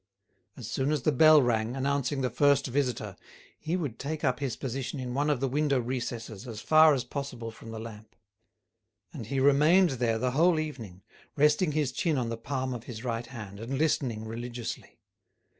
As soon as the bell rang, announcing the first visitor, he would take up his position in one of the window recesses as far as possible from the lamp. And he remained there the whole evening, resting his chin on the palm of his right hand, and listening religiously.